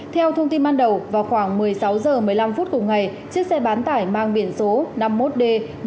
theo thông tin ban đầu vào khoảng một mươi sáu h một mươi năm phút cùng ngày chiếc xe bán tải mang biển số năm mươi một d bốn mươi sáu nghìn bốn trăm sáu mươi